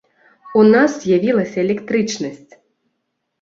У нас з'явілася электрычнасць!